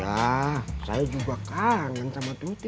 iya saya juga kangen sama tute